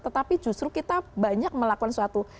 tetapi justru kita banyak melakukan suatu